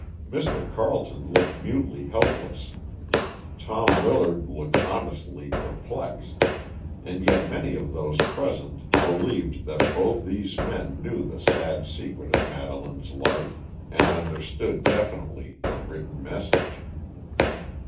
Mr. Carleton looked mutely helpless, Tom Willard looked honestly perplexed, and yet many of those present believed that both these men knew the sad secret of Madeleine's life, and understood definitely the written message.